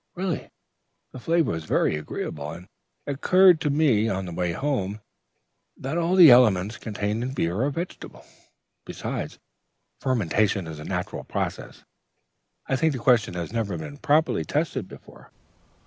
Really, the flavor was very agreeable. And it occurred to me, on the way home, that all the elements contained in beer are vegetable. Besides, fermentation is a natural process. I think the question has never been properly tested before.'